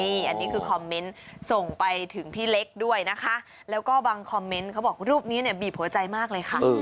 อันนี้คือคอมเมนต์ส่งไปถึงพี่เล็กด้วยนะคะแล้วก็บางคอมเมนต์เขาบอกรูปนี้เนี่ยบีบหัวใจมากเลยค่ะ